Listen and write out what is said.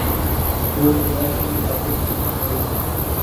روزگار کے مواقع فراہم کرے گی